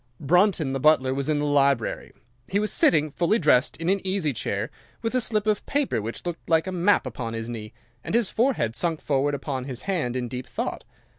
"'Brunton, the butler, was in the library. He was sitting, fully dressed, in an easy chair, with a slip of paper which looked like a map upon his knee, and his forehead sunk forward upon his hand in deep thought.